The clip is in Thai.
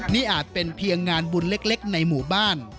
นี่อาจเป็นเพียงงานบุญเล็กในหมู่บ้าน